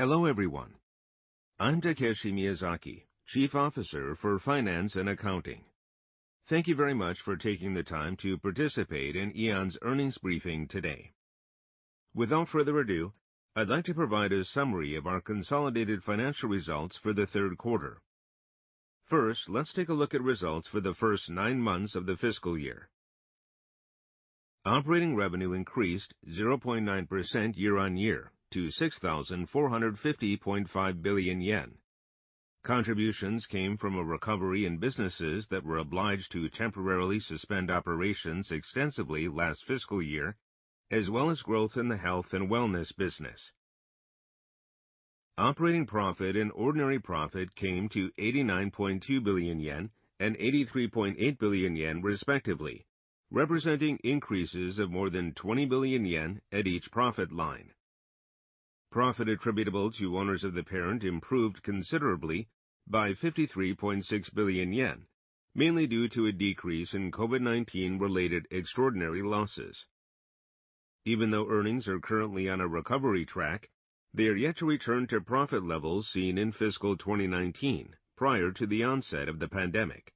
Hello everyone. I'm Takeshi Miyazaki, Chief Officer for Finance and Accounting. Thank you very much for taking the time to participate in AEON's earnings briefing today. Without further ado, I'd like to provide a summary of our consolidated financial results for the third quarter. First, let's take a look at results for the first nine months of the fiscal year. Operating revenue increased 0.9% year-on-year to 6,450.5 billion yen. Contributions came from a recovery in businesses that were obliged to temporarily suspend operations extensively last fiscal year, as well as growth in the health and wellness business. Operating profit and ordinary profit came to 89.2 billion yen and 83.8 billion yen respectively, representing increases of more than 20 billion yen at each profit line. Profit attributable to owners of the parent improved considerably by 53.6 billion yen, mainly due to a decrease in COVID-19 related extraordinary losses. Even though earnings are currently on a recovery track, they are yet to return to profit levels seen in fiscal 2019 prior to the onset of the pandemic.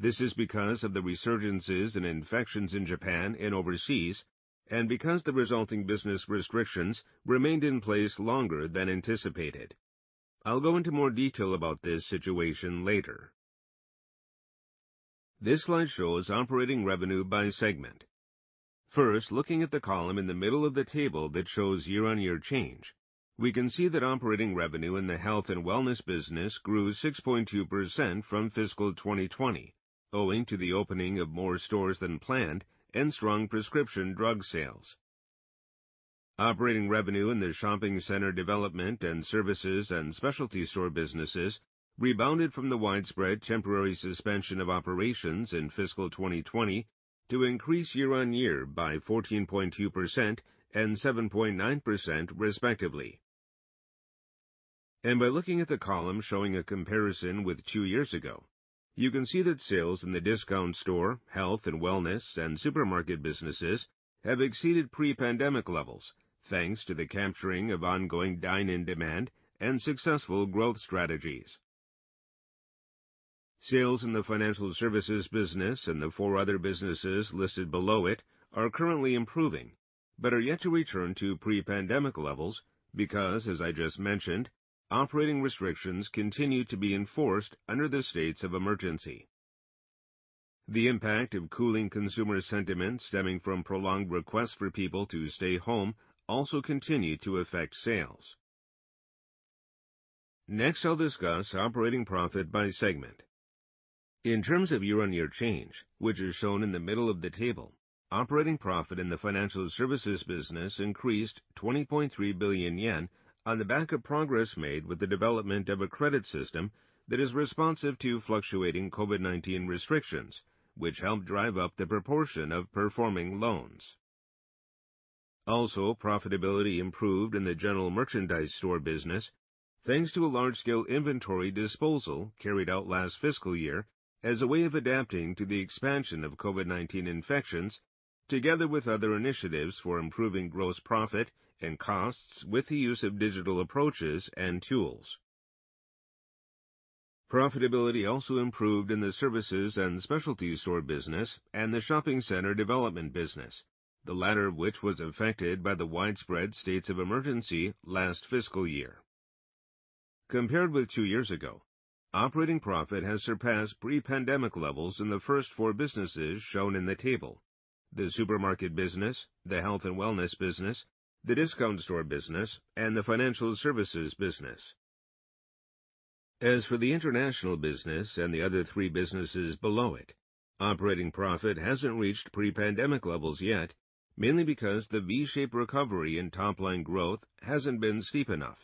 This is because of the resurgences in infections in Japan and overseas, and because the resulting business restrictions remained in place longer than anticipated. I'll go into more detail about this situation later. This slide shows operating revenue by segment. First, looking at the column in the middle of the table that shows year-on-year change, we can see that operating revenue in the health and wellness business grew 6.2% from fiscal 2020 owing to the opening of more stores than planned and strong prescription drug sales. Operating revenue in the shopping center development and services and specialty store businesses rebounded from the widespread temporary suspension of operations in fiscal 2020 to increase year-on-year by 14.2% and 7.9% respectively. By looking at the column showing a comparison with two years ago, you can see that sales in the discount store, health and wellness, and supermarket businesses have exceeded pre-pandemic levels, thanks to the capturing of ongoing dine-in demand and successful growth strategies. Sales in the financial services business and the four other businesses listed below it are currently improving, but are yet to return to pre-pandemic levels because, as I just mentioned, operating restrictions continue to be enforced under the states of emergency. The impact of cooling consumer sentiment stemming from prolonged requests for people to stay home also continued to affect sales. Next, I'll discuss operating profit by segment. In terms of year-over-year change, which is shown in the middle of the table, operating profit in the financial services business increased 20.3 billion yen on the back of progress made with the development of a credit system that is responsive to fluctuating COVID-19 restrictions, which helped drive up the proportion of performing loans. Also, profitability improved in the general merchandise store business, thanks to a large-scale inventory disposal carried out last fiscal year as a way of adapting to the expansion of COVID-19 infections, together with other initiatives for improving gross profit and costs with the use of digital approaches and tools. Profitability also improved in the services and specialty store business and the shopping center development business, the latter of which was affected by the widespread states of emergency last fiscal year. Compared with two years ago, operating profit has surpassed pre-pandemic levels in the first four businesses shown in the table: the supermarket business, the health and wellness business, the discount store business, and the financial services business. As for the international business and the other three businesses below it, operating profit hasn't reached pre-pandemic levels yet, mainly because the V-shaped recovery in top-line growth hasn't been steep enough.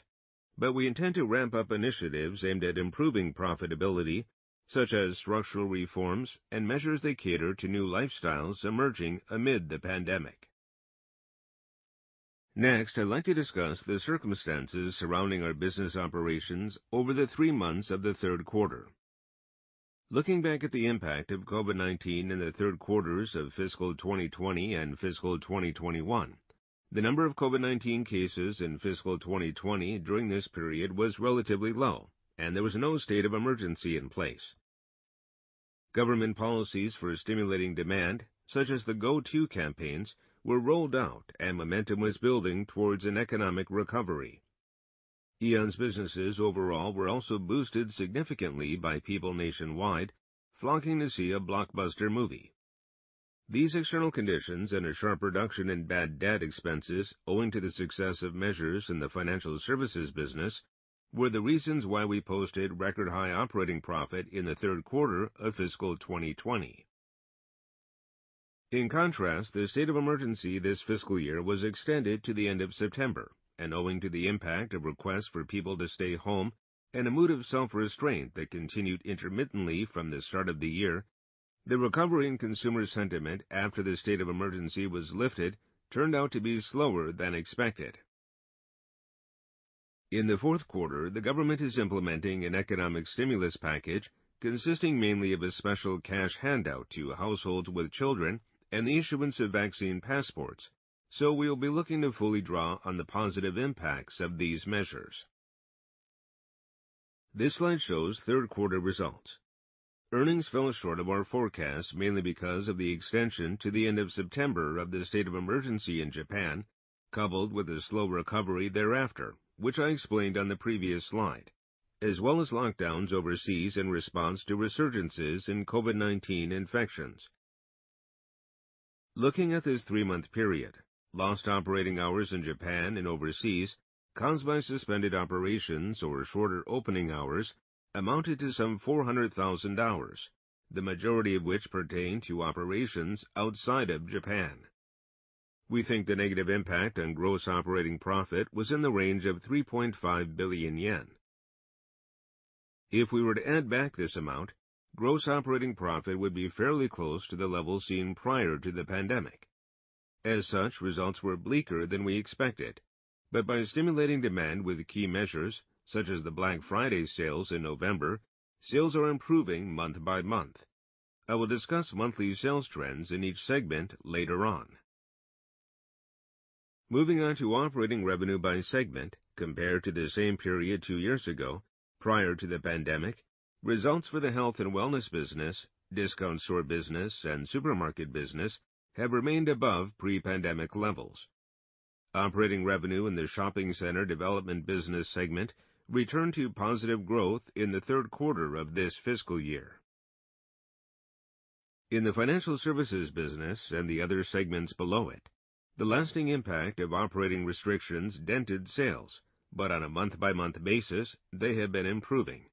We intend to ramp up initiatives aimed at improving profitability, such as structural reforms and measures that cater to new lifestyles emerging amid the pandemic. Next, I'd like to discuss the circumstances surrounding our business operations over the three months of the third quarter. Looking back at the impact of COVID-19 in the third quarters of fiscal 2020 and fiscal 2021, the number of COVID-19 cases in fiscal 2020 during this period was relatively low, and there was no state of emergency in place. Government policies for stimulating demand, such as the Go To campaigns, were rolled out and momentum was building towards an economic recovery. AEON's businesses overall were also boosted significantly by people nationwide flocking to see a blockbuster movie. These external conditions and a sharp reduction in bad debt expenses owing to the success of measures in the financial services business were the reasons why we posted record high operating profit in the third quarter of fiscal 2020. In contrast, the state of emergency this fiscal year was extended to the end of September, and owing to the impact of requests for people to stay home and a mood of self-restraint that continued intermittently from the start of the year, the recovery in consumer sentiment after the state of emergency was lifted turned out to be slower than expected. In the Q3, the government is implementing an economic stimulus package consisting mainly of a special cash handout to households with children and the issuance of vaccine passports. We'll be looking to fully draw on the positive impacts of these measures. This slide shows third quarter results. Earnings fell short of our forecast mainly because of the extension to the end of September of the state of emergency in Japan, coupled with a slow recovery thereafter, which I explained on the previous slide, as well as lockdowns overseas in response to resurgences in COVID-19 infections. Looking at this three-month period, lost operating hours in Japan and overseas caused by suspended operations or shorter opening hours amounted to some 400,000 hours, the majority of which pertained to operations outside of Japan. We think the negative impact on gross operating profit was in the range of 3.5 billion yen. If we were to add back this amount, gross operating profit would be fairly close to the level seen prior to the pandemic. As such, results were bleaker than we expected. By stimulating demand with key measures, such as the Black Friday sales in November, sales are improving month by month. I will discuss monthly sales trends in each segment later on. Moving on to operating revenue by segment compared to the same period two years ago prior to the pandemic, results for the health and wellness business, discount store business, and supermarket business have remained above pre-pandemic levels. Operating revenue in the shopping center development business segment returned to positive growth in the third quarter of this fiscal year. In the financial services business and the other segments below it, the lasting impact of operating restrictions dented sales, but on a month-by-month basis, they have been improving.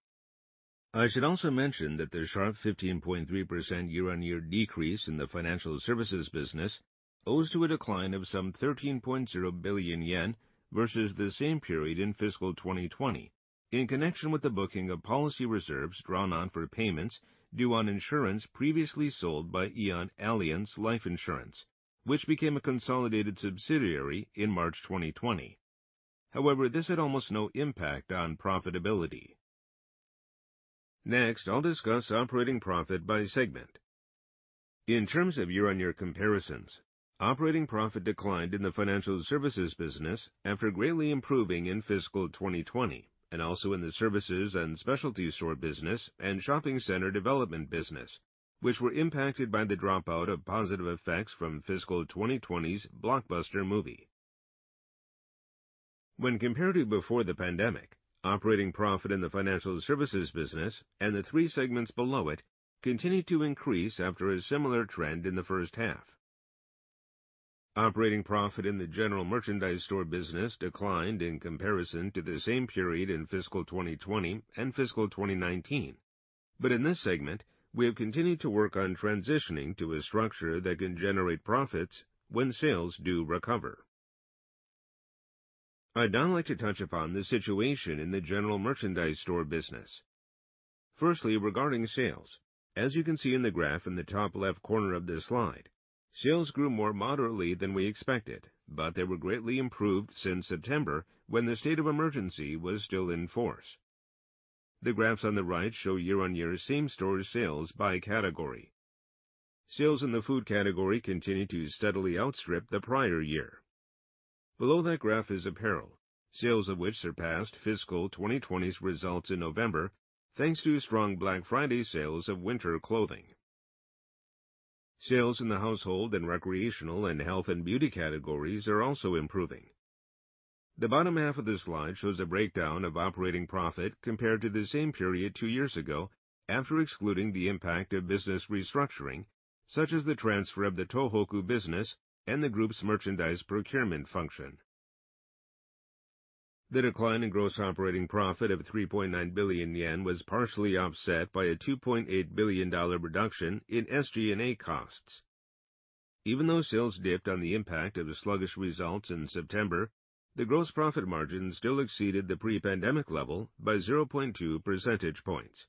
I should also mention that the sharp 15.3% year-on-year decrease in the financial services business owes to a decline of some 13.0 billion yen versus the same period in fiscal 2020 in connection with the booking of policy reserves drawn on for payments due on insurance previously sold by AEON Allianz Life Insurance, which became a consolidated subsidiary in March 2020. However, this had almost no impact on profitability. Next, I'll discuss operating profit by segment. In terms of year-on-year comparisons, operating profit declined in the financial services business after greatly improving in fiscal 2020 and also in the services and specialty store business and shopping center development business, which were impacted by the dropout of positive effects from fiscal 2020's blockbuster movie. When compared to before the pandemic, operating profit in the financial services business and the three segments below it continued to increase after a similar trend in the first half. Operating profit in the general merchandise store business declined in comparison to the same period in fiscal 2020 and fiscal 2019. In this segment, we have continued to work on transitioning to a structure that can generate profits when sales do recover. I'd now like to touch upon the situation in the general merchandise store business. Firstly, regarding sales, as you can see in the graph in the top left corner of this slide, sales grew more moderately than we expected, but they were greatly improved since September when the state of emergency was still in force. The graphs on the right show year-on-year same-store sales by category. Sales in the food category continued to steadily outstrip the prior year. Below that graph is apparel, sales of which surpassed fiscal 2020's results in November, thanks to strong Black Friday sales of winter clothing. Sales in the household and recreational and health and beauty categories are also improving. The bottom half of this slide shows a breakdown of operating profit compared to the same period two years ago after excluding the impact of business restructuring, such as the transfer of the Tohoku business and the Group's merchandise procurement function. The decline in gross operating profit of 3.9 billion yen was partially offset by a JPY 2.8 billion reduction in SG&A costs. Even though sales dipped on the impact of the sluggish results in September, the gross profit margin still exceeded the pre-pandemic level by 0.2 percentage points.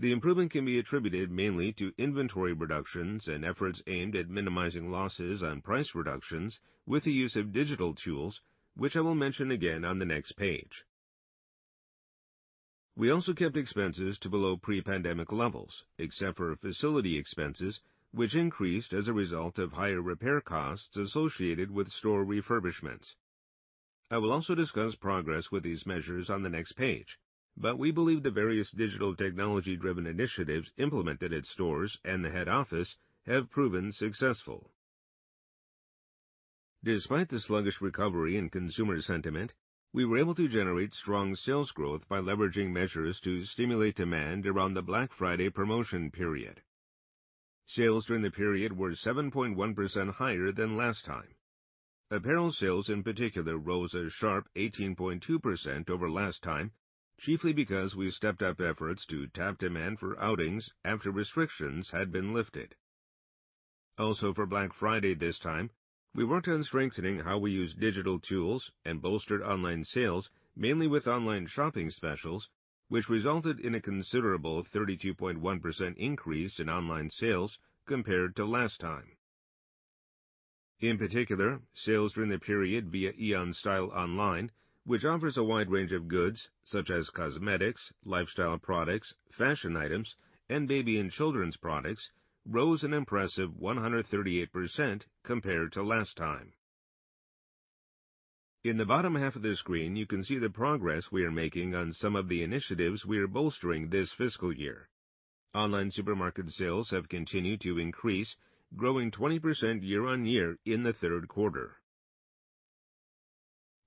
The improvement can be attributed mainly to inventory reductions and efforts aimed at minimizing losses on price reductions with the use of digital tools, which I will mention again on the next page. We also kept expenses to below pre-pandemic levels, except for facility expenses, which increased as a result of higher repair costs associated with store refurbishments. I will also discuss progress with these measures on the next page, but we believe the various digital technology-driven initiatives implemented at stores and the head office have proven successful. Despite the sluggish recovery in consumer sentiment, we were able to generate strong sales growth by leveraging measures to stimulate demand around the Black Friday promotion period. Sales during the period were 7.1% higher than last time. Apparel sales, in particular, rose a sharp 18.2% over last time, chiefly because we stepped up efforts to tap demand for outings after restrictions had been lifted. Also, for Black Friday this time, we worked on strengthening how we use digital tools and bolstered online sales, mainly with online shopping specials, which resulted in a considerable 32.1% increase in online sales compared to last time. In particular, sales during the period via AEON Style Online, which offers a wide range of goods such as cosmetics, lifestyle products, fashion items, and baby and children's products, rose an impressive 138% compared to last time. In the bottom half of the screen, you can see the progress we are making on some of the initiatives we are bolstering this fiscal year. Online supermarket sales have continued to increase, growing 20% year-on-year in the third quarter.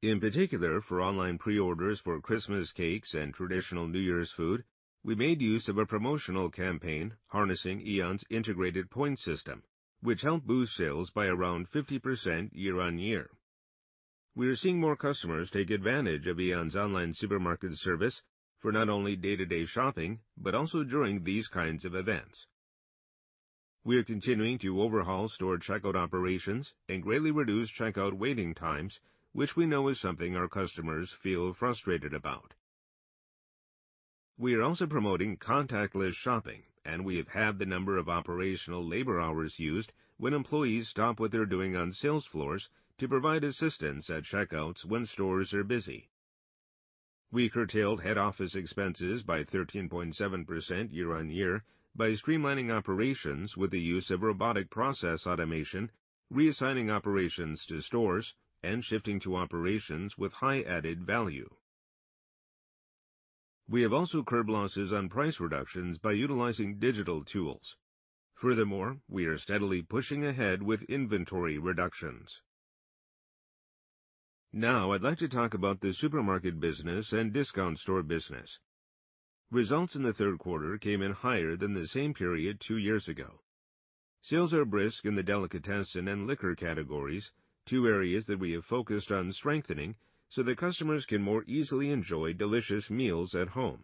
In particular, for online pre-orders for Christmas cakes and traditional New Year's food, we made use of a promotional campaign harnessing AEON's integrated point system, which helped boost sales by around 50% year-on-year. We are seeing more customers take advantage of AEON's online supermarket service for not only day-to-day shopping, but also during these kinds of events. We are continuing to overhaul store checkout operations and greatly reduce checkout waiting times, which we know is something our customers feel frustrated about. We are also promoting contactless shopping, and we have halved the number of operational labor hours used when employees stop what they're doing on sales floors to provide assistance at checkouts when stores are busy. We curtailed head office expenses by 13.7% year-on-year by streamlining operations with the use of robotic process automation, reassigning operations to stores, and shifting to operations with high added value. We have also curbed losses on price reductions by utilizing digital tools. Furthermore, we are steadily pushing ahead with inventory reductions. Now I'd like to talk about the supermarket business and discount store business. Results in the third quarter came in higher than the same period two years ago. Sales are brisk in the delicatessen and liquor categories, two areas that we have focused on strengthening so that customers can more easily enjoy delicious meals at home.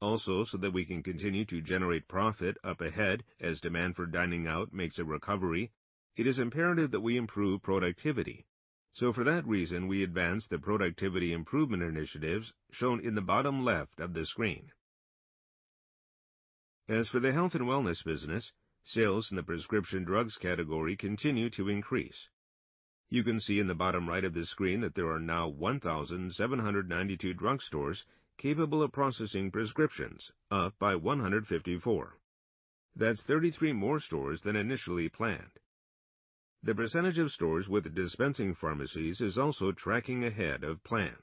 Also, so that we can continue to generate profit up ahead as demand for dining out makes a recovery, it is imperative that we improve productivity. For that reason, we advanced the productivity improvement initiatives shown in the bottom left of the screen. As for the health and wellness business, sales in the prescription drugs category continue to increase. You can see in the bottom right of the screen that there are now 1,792 drugstores capable of processing prescriptions, up by 154. That's 33 more stores than initially planned. The percentage of stores with dispensing pharmacies is also tracking ahead of plan.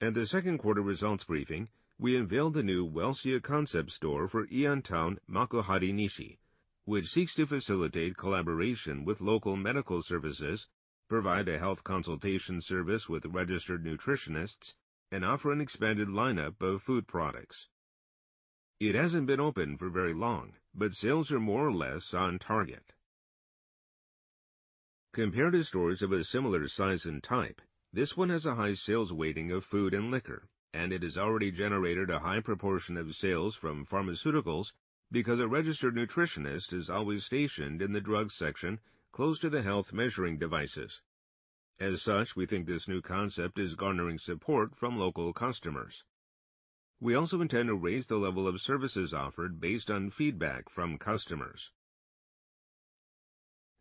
At the Q2 results briefing, we unveiled the new Welcia concept store for AEON Town Makuhari Nishi, which seeks to facilitate collaboration with local medical services, provide a health consultation service with registered nutritionists, and offer an expanded lineup of food products. It hasn't been open for very long, but sales are more or less on target. Compared to stores of a similar size and type, this one has a high sales weighting of food and liquor, and it has already generated a high proportion of sales from pharmaceuticals because a registered nutritionist is always stationed in the drug section close to the health measuring devices. As such, we think this new concept is garnering support from local customers. We also intend to raise the level of services offered based on feedback from customers.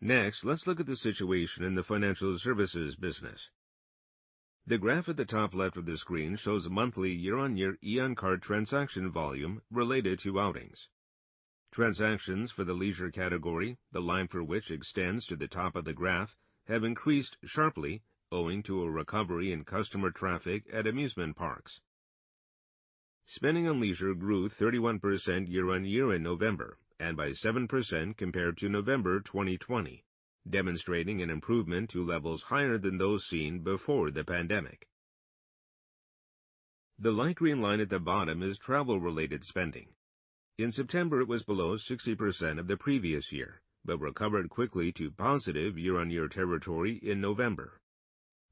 Next, let's look at the situation in the financial services business. The graph at the top left of the screen shows monthly year-over-year AEON Card transaction volume related to outings. Transactions for the leisure category, the line for which extends to the top of the graph, have increased sharply owing to a recovery in customer traffic at amusement parks. Spending on leisure grew 31% year-on-year in November and by 7% compared to November 2020, demonstrating an improvement to levels higher than those seen before the pandemic. The light green line at the bottom is travel-related spending. In September, it was below 60% of the previous year, but recovered quickly to positive year-on-year territory in November.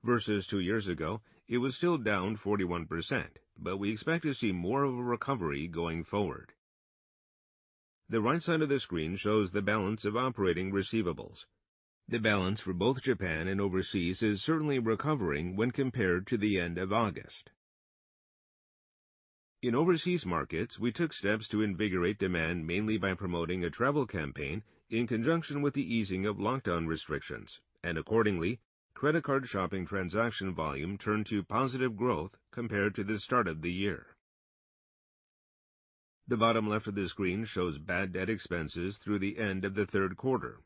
Versus two years ago, it was still down 41%, but we expect to see more of a recovery going forward. The right side of the screen shows the balance of operating receivables. The balance for both Japan and overseas is certainly recovering when compared to the end of August. In overseas markets, we took steps to invigorate demand mainly by promoting a travel campaign in conjunction with the easing of lockdown restrictions, and accordingly, credit card shopping transaction volume turned to positive growth compared to the start of the year. The bottom left of the screen shows bad debt expenses through the end of the third quarter.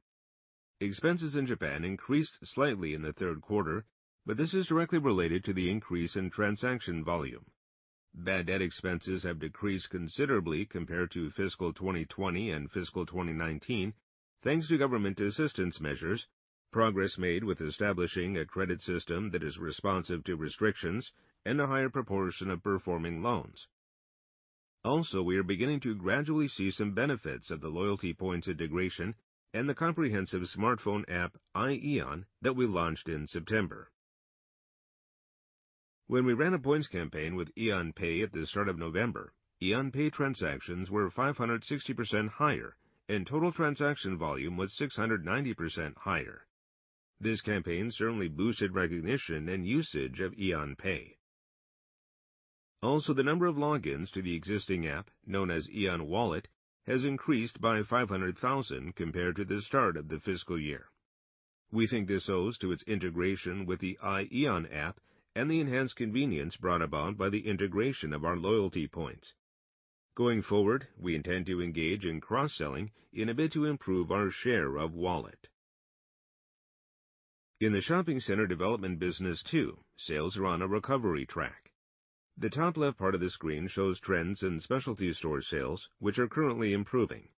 Expenses in Japan increased slightly in the third quarter, but this is directly related to the increase in transaction volume. Bad debt expenses have decreased considerably compared to fiscal 2020 and fiscal 2019, thanks to government assistance measures, progress made with establishing a credit system that is responsive to restrictions, and a higher proportion of performing loans. Also, we are beginning to gradually see some benefits of the loyalty points integration and the comprehensive smartphone app iAEON that we launched in September. When we ran a points campaign with AEON Pay at the start of November, AEON Pay transactions were 560% higher and total transaction volume was 690% higher. This campaign certainly boosted recognition and usage of AEON Pay. Also, the number of logins to the existing app, known as AEON Wallet, has increased by 500,000 compared to the start of the fiscal year. We think this owes to its integration with the iAEON app and the enhanced convenience brought about by the integration of our loyalty points. Going forward, we intend to engage in cross-selling in a bit to improve our share of wallet. In the shopping center development business too, sales are on a recovery track. The top left part of the screen shows trends in specialty store sales, which are currently improving.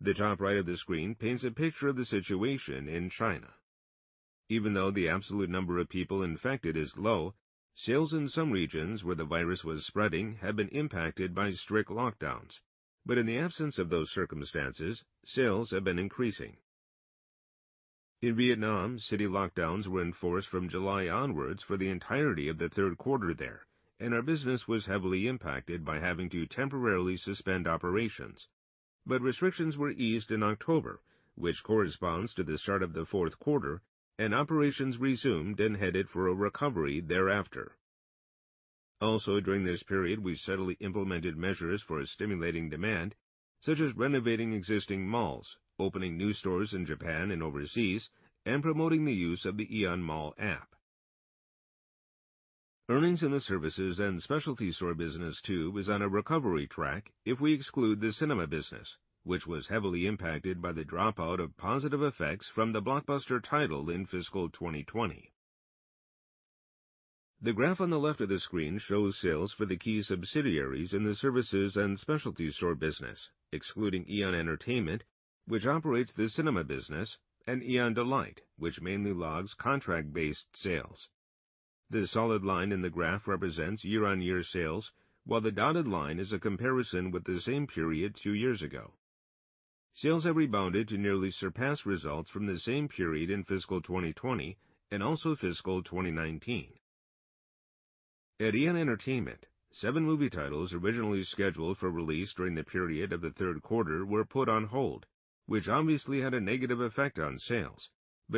The top right of the screen paints a picture of the situation in China. Even though the absolute number of people infected is low, sales in some regions where the virus was spreading have been impacted by strict lockdowns. In the absence of those circumstances, sales have been increasing. In Vietnam, city lockdowns were enforced from July onwards for the entirety of the third quarter there, and our business was heavily impacted by having to temporarily suspend operations. Restrictions were eased in October, which corresponds to the start of the Q3, and operations resumed and headed for a recovery thereafter. Also, during this period, we steadily implemented measures for stimulating demand, such as renovating existing malls, opening new stores in Japan and overseas, and promoting the use of the AEON MALL app. Earnings in the services and specialty store business too is on a recovery track if we exclude the cinema business, which was heavily impacted by the dropout of positive effects from the blockbuster title in fiscal 2020. The graph on the left of the screen shows sales for the key subsidiaries in the services and specialty store business, excluding AEON Entertainment, which operates the cinema business, and AEON Delight, which mainly logs contract-based sales. The solid line in the graph represents year-over-year sales, while the dotted line is a comparison with the same period two years ago. Sales have rebounded to nearly surpass results from the same period in fiscal 2020 and also fiscal 2019. At AEON Entertainment, seven movie titles originally scheduled for release during the period of the third quarter were put on hold, which obviously had a negative effect on sales.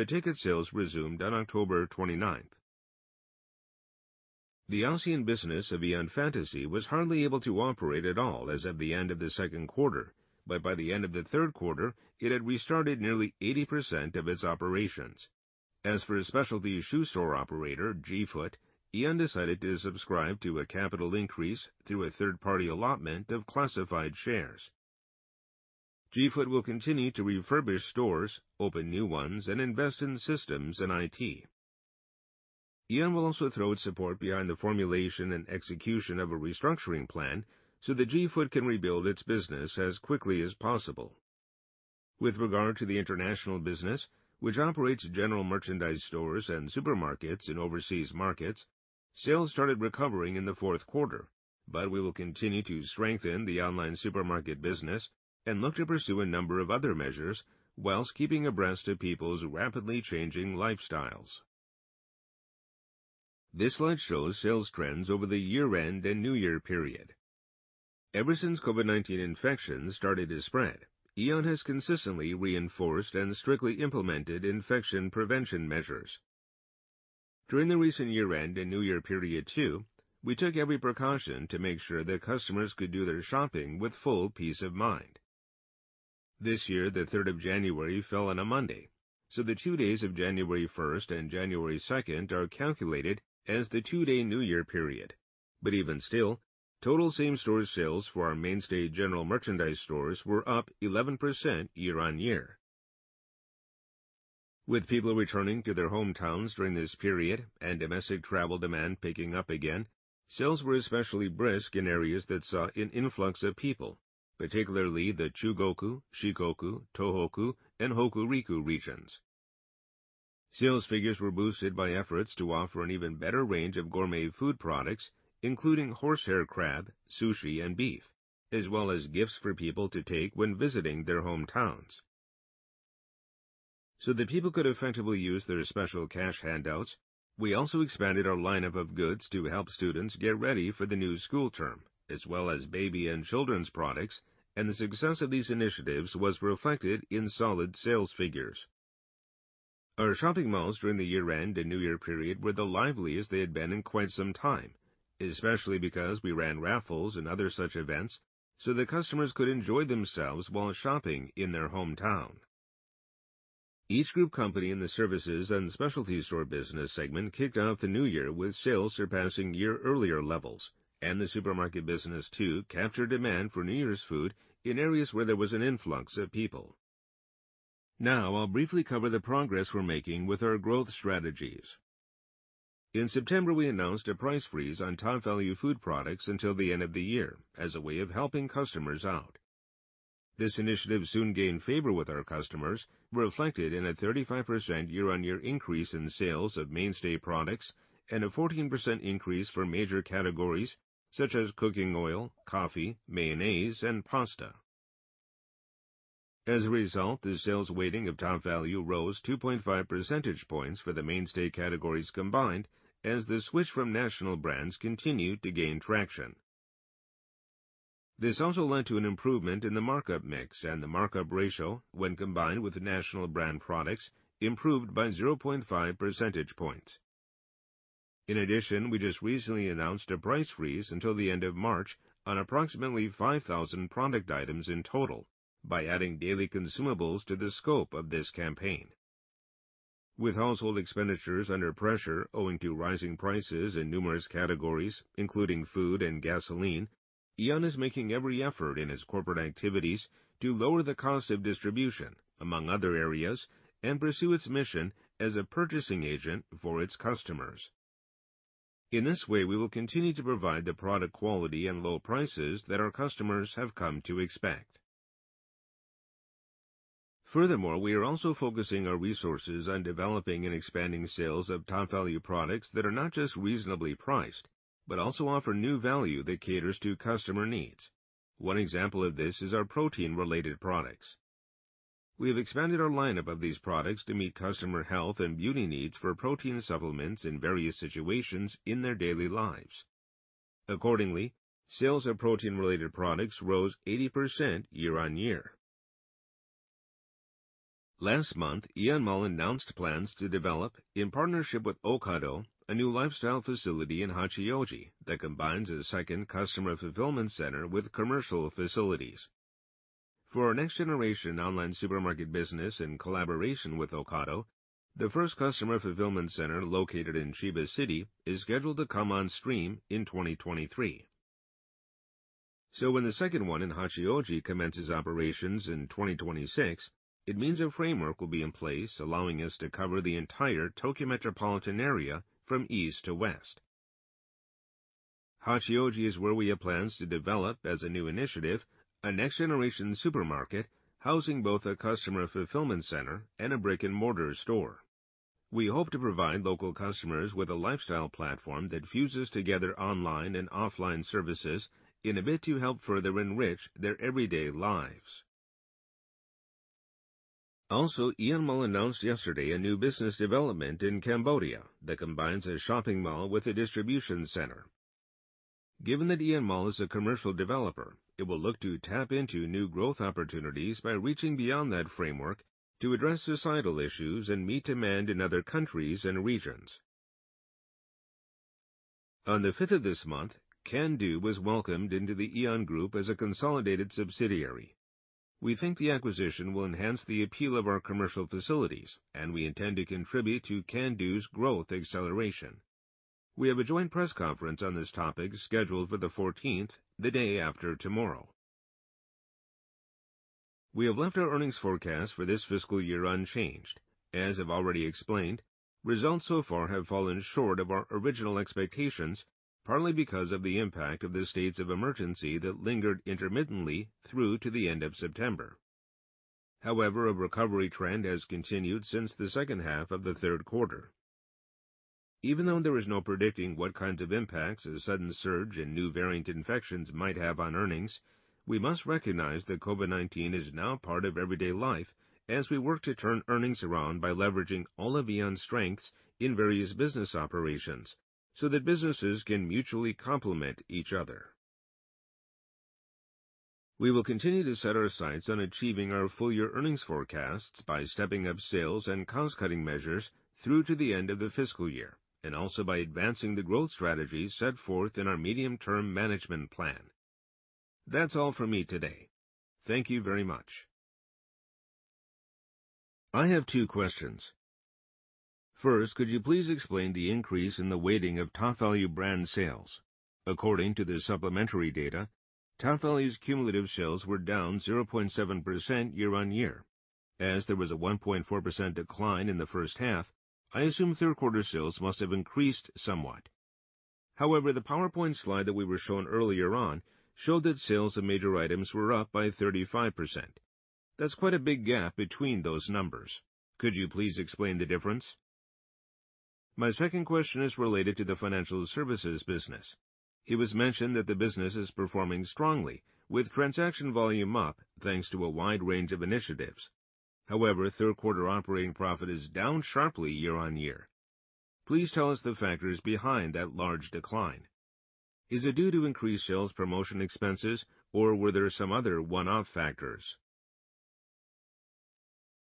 Ticket sales resumed on October twenty-ninth. The ASEAN business of AEON Fantasy was hardly able to operate at all as of the end of the Q2, but by the end of the third quarter, it had restarted nearly 80% of its operations. As for specialty shoe store operator, G-Foot, AEON decided to subscribe to a capital increase through a third-party allotment of classified shares. G-Foot will continue to refurbish stores, open new ones, and invest in systems and IT. AEON will also throw its support behind the formulation and execution of a restructuring plan so that G-Foot can rebuild its business as quickly as possible. With regard to the international business, which operates general merchandise stores and supermarkets in overseas markets, sales started recovering in the Q3, but we will continue to strengthen the online supermarket business and look to pursue a number of other measures while keeping abreast of people's rapidly changing lifestyles. This slide shows sales trends over the year-end and New Year period. Ever since COVID-19 infections started to spread, AEON has consistently reinforced and strictly implemented infection prevention measures. During the recent year-end and New Year period too, we took every precaution to make sure that customers could do their shopping with full peace of mind. This year, the third of January fell on a Monday, so the two days of January first and January second are calculated as the two-day New Year period. Even still, total same-store sales for our mainstay general merchandise stores were up 11% year-on-year. With people returning to their hometowns during this period and domestic travel demand picking up again, sales were especially brisk in areas that saw an influx of people, particularly the Chugoku, Shikoku, Tohoku, and Hokuriku regions. Sales figures were boosted by efforts to offer an even better range of gourmet food products, including horsehair crab, sushi, and beef, as well as gifts for people to take when visiting their hometowns. So that people could effectively use their special cash handouts, we also expanded our lineup of goods to help students get ready for the new school term, as well as baby and children's products, and the success of these initiatives was reflected in solid sales figures. Our shopping malls during the year-end and New Year period were the liveliest they had been in quite some time, especially because we ran raffles and other such events so that customers could enjoy themselves while shopping in their hometown. Each group company in the services and specialty store business segment kicked off the new year with sales surpassing year-earlier levels, and the supermarket business too captured demand for New Year's food in areas where there was an influx of people. Now, I'll briefly cover the progress we're making with our growth strategies. In September, we announced a price freeze on Topvalu food products until the end of the year as a way of helping customers out. This initiative soon gained favor with our customers, reflected in a 35% year-on-year increase in sales of mainstay products and a 14% increase for major categories such as cooking oil, coffee, mayonnaise, and pasta. As a result, the sales weighting of Topvalu rose 2.5 percentage points for the mainstay categories combined as the switch from national brands continued to gain traction. This also led to an improvement in the markup mix and the markup ratio when combined with national brand products improved by 0.5 percentage points. In addition, we just recently announced a price freeze until the end of March on approximately 5,000 product items in total by adding daily consumables to the scope of this campaign. With household expenditures under pressure owing to rising prices in numerous categories, including food and gasoline, AEON is making every effort in its corporate activities to lower the cost of distribution among other areas and pursue its mission as a purchasing agent for its customers. In this way, we will continue to provide the product quality and low prices that our customers have come to expect. Furthermore, we are also focusing our resources on developing and expanding sales of Topvalu products that are not just reasonably priced, but also offer new value that caters to customer needs. One example of this is our protein-related products. We have expanded our lineup of these products to meet customer health and beauty needs for protein supplements in various situations in their daily lives. Accordingly, sales of protein-related products rose 80% year-on-year. Last month, AEON MALL announced plans to develop in partnership with Ocado, a new lifestyle facility in Hachioji that combines a second customer fulfillment center with commercial facilities. For our next generation online supermarket business in collaboration with Ocado, the first customer fulfillment center located in Chiba City is scheduled to come on stream in 2023. When the second one in Hachioji commences operations in 2026, it means a framework will be in place allowing us to cover the entire Tokyo Metropolitan area from east to west. Hachioji is where we have plans to develop as a new initiative, a next generation supermarket housing both a customer fulfillment center and a brick-and-mortar store. We hope to provide local customers with a lifestyle platform that fuses together online and offline services in a bid to help further enrich their everyday lives. Also, AEON MALL announced yesterday a new business development in Cambodia that combines a shopping mall with a distribution center. Given that AEON MALL is a commercial developer, it will look to tap into new growth opportunities by reaching beyond that framework to address societal issues and meet demand in other countries and regions. On the fifth of this month, Can Do was welcomed into the AEON Group as a consolidated subsidiary. We think the acquisition will enhance the appeal of our commercial facilities, and we intend to contribute to Can Do's growth acceleration. We have a joint press conference on this topic scheduled for the fourteenth, the day after tomorrow. We have left our earnings forecast for this fiscal year unchanged. As I've already explained, results so far have fallen short of our original expectations, partly because of the impact of the states of emergency that lingered intermittently through to the end of September. However, a recovery trend has continued since the second half of the third quarter. Even though there is no predicting what kinds of impacts a sudden surge in new variant infections might have on earnings, we must recognize that COVID-19 is now part of everyday life as we work to turn earnings around by leveraging all of AEON's strengths in various business operations so that businesses can mutually complement each other. We will continue to set our sights on achieving our full year earnings forecasts by stepping up sales and cost-cutting measures through to the end of the fiscal year, and also by advancing the growth strategy set forth in our medium-term management plan. That's all from me today. Thank you very much. I have two questions. First, could you please explain the increase in the weighting of Topvalu brand sales? According to the supplementary data, Topvalu's cumulative sales were down 0.7% year-on-year. As there was a 1.4% decline in the first half, I assume third quarter sales must have increased somewhat. However, the PowerPoint slide that we were shown earlier on showed that sales of major items were up by 35%. That's quite a big gap between those numbers. Could you please explain the difference? My second question is related to the financial services business. It was mentioned that the business is performing strongly with transaction volume up, thanks to a wide range of initiatives. However, third-quarter operating profit is down sharply year-on-year. Please tell us the factors behind that large decline. Is it due to increased sales promotion expenses or were there some other one-off factors?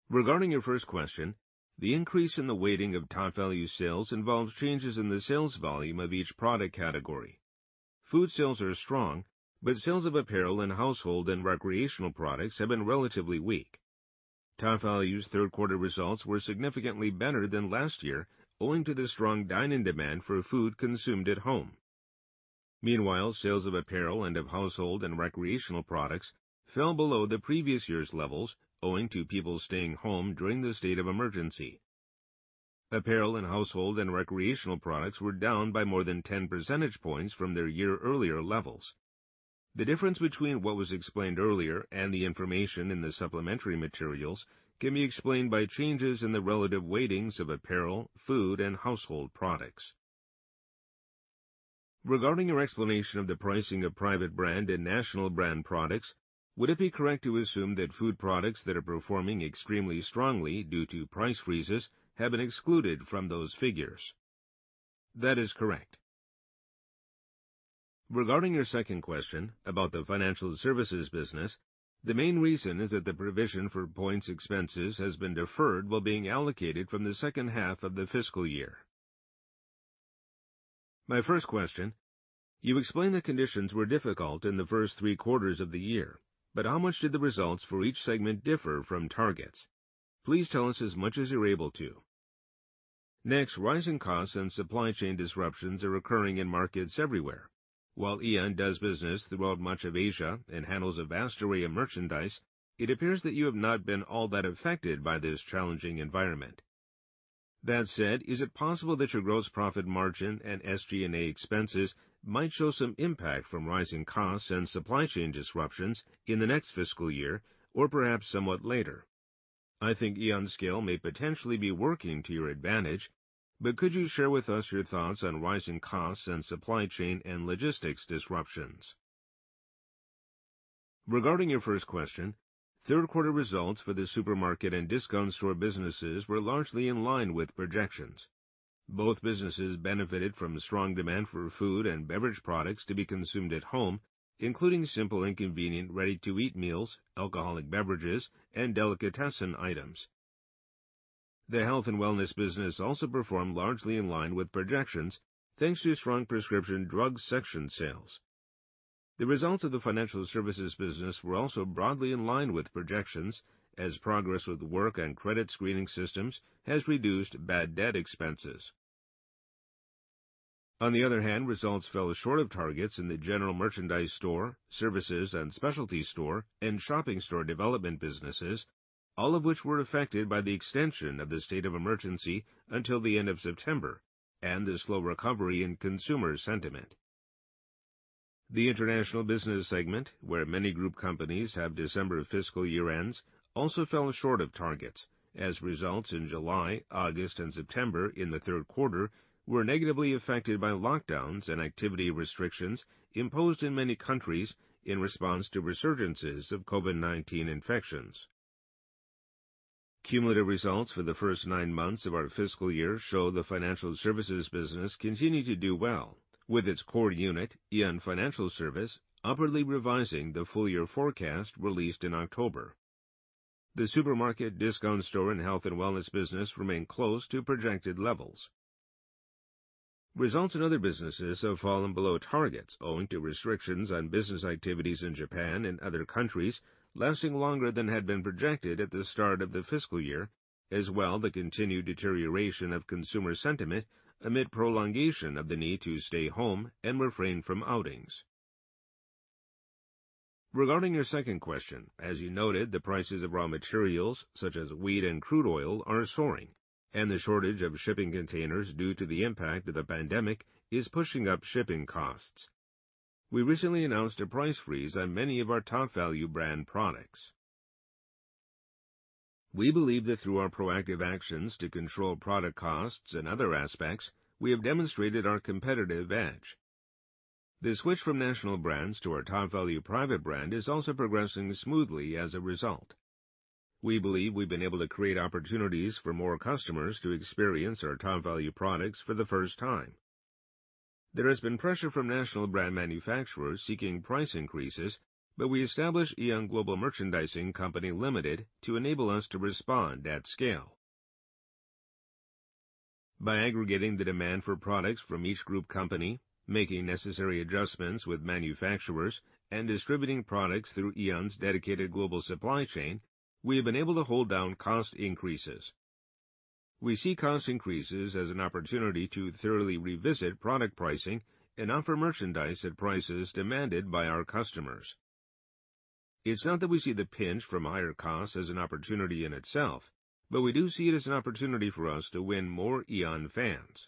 Regarding your first question, the increase in the weighting of Topvalu sales involves changes in the sales volume of each product category. Food sales are strong, but sales of apparel and household and recreational products have been relatively weak. Topvalu's third-quarter results were significantly better than last year, owing to the strong dine-in demand for food consumed at home. Meanwhile, sales of apparel and of household and recreational products fell below the previous year's levels owing to people staying home during the state of emergency. Apparel and household and recreational products were down by more than 10 percentage points from their year earlier levels. The difference between what was explained earlier and the information in the supplementary materials can be explained by changes in the relative weightings of apparel, food, and household products. Regarding your explanation of the pricing of private brand and national brand products, would it be correct to assume that food products that are performing extremely strongly due to price freezes have been excluded from those figures? That is correct. Regarding your second question about the financial services business, the main reason is that the provision for points expenses has been deferred while being allocated from the second half of the fiscal year. My first question: You've explained the conditions were difficult in the first three quarters of the year, but how much did the results for each segment differ from targets? Please tell us as much as you're able to. Next, rising costs and supply chain disruptions are occurring in markets everywhere. While AEON does business throughout much of Asia and handles a vast array of merchandise, it appears that you have not been all that affected by this challenging environment. That said, is it possible that your gross profit margin and SG&A expenses might show some impact from rising costs and supply chain disruptions in the next fiscal year, or perhaps somewhat later? I think AEON's scale may potentially be working to your advantage, but could you share with us your thoughts on rising costs and supply chain and logistics disruptions? Regarding your first question, third quarter results for the supermarket and discount store businesses were largely in line with projections. Both businesses benefited from strong demand for food and beverage products to be consumed at home, including simple and convenient ready-to-eat meals, alcoholic beverages, and delicatessen items. The health and wellness business also performed largely in line with projections, thanks to strong prescription drug section sales. The results of the financial services business were also broadly in line with projections, as progress with work and credit screening systems has reduced bad debt expenses. On the other hand, results fell short of targets in the general merchandise store, services and specialty store, and shopping store development businesses, all of which were affected by the extension of the state of emergency until the end of September and the slow recovery in consumer sentiment. The international business segment, where many group companies have December fiscal year-ends, also fell short of targets, as results in July, August, and September in the third quarter were negatively affected by lockdowns and activity restrictions imposed in many countries in response to resurgences of COVID-19 infections. Cumulative results for the first nine months of our fiscal year show the financial services business continued to do well, with its core unit, AEON Financial Service, upwardly revising the full year forecast released in October. The supermarket, discount store, and health and wellness business remain close to projected levels. Results in other businesses have fallen below targets owing to restrictions on business activities in Japan and other countries lasting longer than had been projected at the start of the fiscal year, as well as the continued deterioration of consumer sentiment amid prolongation of the need to stay home and refrain from outings. Regarding your second question, as you noted, the prices of raw materials such as wheat and crude oil are soaring, and the shortage of shipping containers due to the impact of the pandemic is pushing up shipping costs. We recently announced a price freeze on many of our Topvalu brand products. We believe that through our proactive actions to control product costs and other aspects, we have demonstrated our competitive edge. The switch from national brands to our Topvalu private brand is also progressing smoothly as a result. We believe we've been able to create opportunities for more customers to experience our Topvalu products for the first time. There has been pressure from national brand manufacturers seeking price increases, but we established AEON Global Merchandising Co., Ltd. to enable us to respond at scale. By aggregating the demand for products from each group company, making necessary adjustments with manufacturers, and distributing products through AEON's dedicated global supply chain, we have been able to hold down cost increases. We see cost increases as an opportunity to thoroughly revisit product pricing and offer merchandise at prices demanded by our customers. It's not that we see the pinch from higher costs as an opportunity in itself, but we do see it as an opportunity for us to win more AEON fans.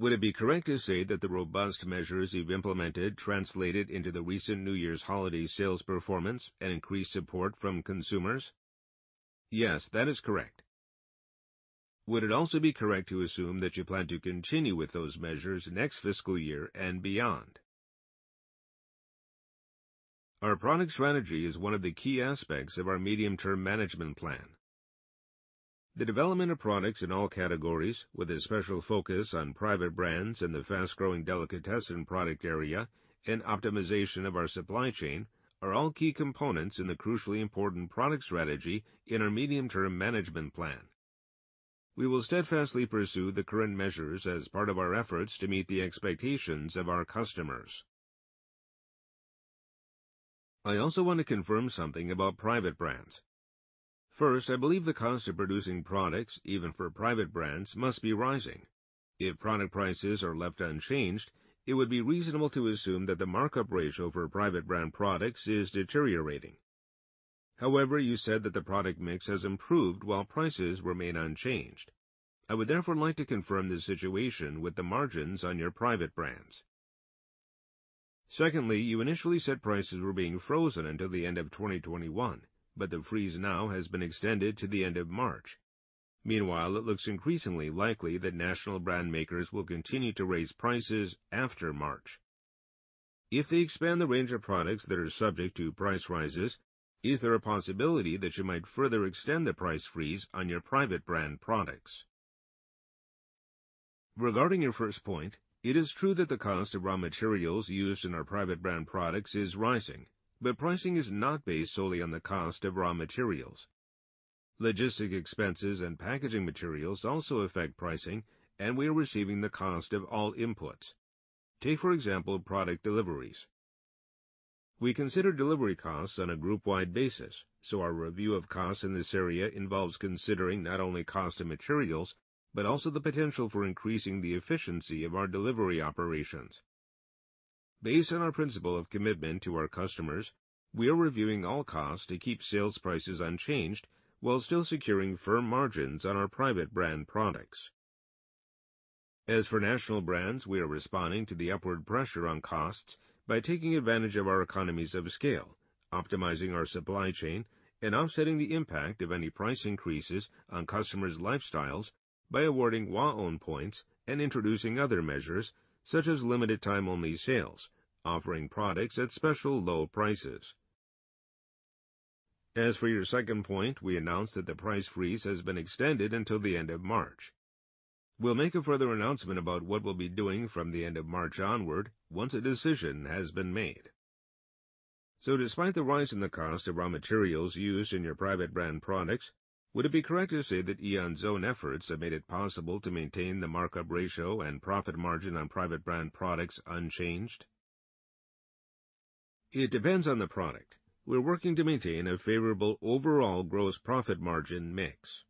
Would it be correct to say that the robust measures you've implemented translated into the recent New Year's holiday sales performance and increased support from consumers? Yes, that is correct. Would it also be correct to assume that you plan to continue with those measures next fiscal year and beyond? Our product strategy is one of the key aspects of our medium-term management plan. The development of products in all categories, with a special focus on private brands in the fast-growing delicatessen product area and optimization of our supply chain, are all key components in the crucially important product strategy in our medium-term management plan. We will steadfastly pursue the current measures as part of our efforts to meet the expectations of our customers. I also want to confirm something about private brands. First, I believe the cost of producing products, even for private brands, must be rising. If product prices are left unchanged, it would be reasonable to assume that the markup ratio for private brand products is deteriorating. However, you said that the product mix has improved while prices remain unchanged. I would therefore like to confirm the situation with the margins on your private brands. Secondly, you initially said prices were being frozen until the end of 2021, but the freeze now has been extended to the end of March. Meanwhile, it looks increasingly likely that national brand makers will continue to raise prices after March. If they expand the range of products that are subject to price rises, is there a possibility that you might further extend the price freeze on your private brand products? Regarding your first point, it is true that the cost of raw materials used in our private brand products is rising, but pricing is not based solely on the cost of raw materials. Logistics expenses and packaging materials also affect pricing, and we are reviewing the cost of all inputs. Take, for example, product deliveries. We consider delivery costs on a group-wide basis, so our review of costs in this area involves considering not only cost of materials, but also the potential for increasing the efficiency of our delivery operations. Based on our principle of commitment to our customers, we are reviewing all costs to keep sales prices unchanged while still securing firm margins on our private brand products. As for national brands, we are responding to the upward pressure on costs by taking advantage of our economies of scale, optimizing our supply chain, and offsetting the impact of any price increases on customers' lifestyles by awarding WAON points and introducing other measures, such as limited time only sales, offering products at special low prices. As for your second point, we announced that the price freeze has been extended until the end of March. We'll make a further announcement about what we'll be doing from the end of March onward once a decision has been made. Despite the rise in the cost of raw materials used in your private brand products, would it be correct to say that AEON's own efforts have made it possible to maintain the markup ratio and profit margin on private brand products unchanged? It depends on the product. We're working to maintain a favorable overall gross profit margin mix.